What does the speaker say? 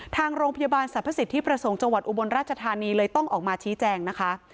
ทางโรงพยาบาลสรรพสิทธิประสงค์จังหวัดอุบลราชธานีเลยต้องออกมาชี้แจงนะคะ